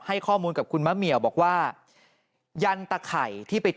หลังจากพบศพผู้หญิงปริศนาตายตรงนี้ครับ